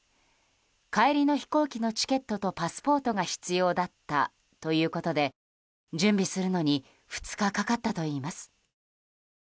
帰りの飛行機のチケットとパスポートが必要だったということで準備するのに２日かかったといいます。